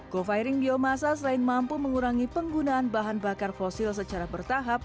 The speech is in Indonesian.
co firing biomasa selain mampu mengurangi penggunaan bahan bakar fosil secara bertahap